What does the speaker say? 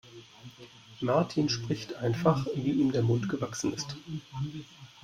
Martin spricht einfach, wie ihm der Mund gewachsen ist.